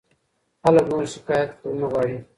خلک نور شکایت نه غواړي.